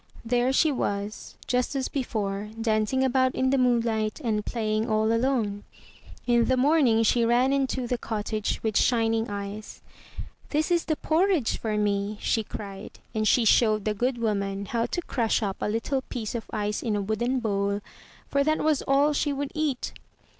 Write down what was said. There she was just as before, dancing about in the moonlight and playing all alone. In the morning she ran into the cottage with shining eyes. "This is the porridge for me," she cried, and she 232 UP ONE PAIR OF STAIRS showed the good woman how to crush up a Httle piece of ice in a wooden bowl, for that was all she would eat.